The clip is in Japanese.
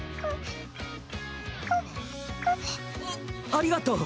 あありがとう。